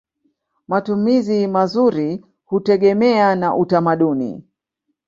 Matumizi mazuri hutegemea na utamaduni.